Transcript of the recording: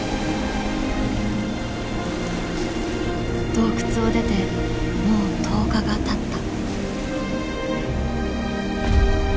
洞窟を出てもう１０日がたった。